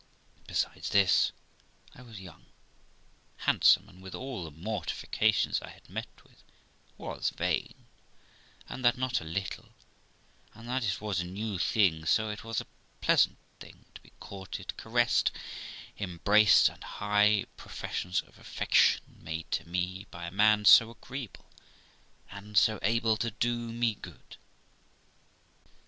Besides this, I was young, handsome, and, with all the mortifications I had met with, was vain, and that not a little ; and, as it was a new thing, so it was a pleasant thing to be courted, caressed, embraced, and high professions of affection made to me, by a man so agreeable and so able to do me good.